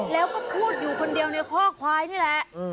แล้วก็พูดอยู่คนเดียวในข้อควายนี่แหละ